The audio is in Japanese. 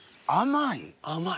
甘い？